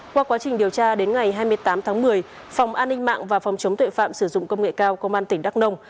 qua quá trình điều tra đến ngày hai mươi tám tháng một mươi phòng an ninh mạng và phòng chống tuệ phạm sử dụng công nghệ cao công an tỉnh đắk nông